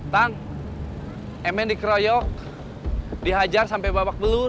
tan emen dikeroyok dihajar sampai babak belur